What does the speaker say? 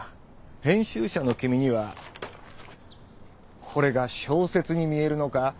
編集者の君にはこれが小説に見えるのか？